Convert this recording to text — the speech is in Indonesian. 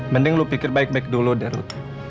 mending lo pikir baik baik dulu darud